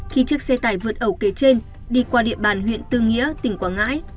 khi chiếc xe tải vượt ẩu kể trên đi qua địa bàn huyện tư nghĩa tỉnh quảng ngãi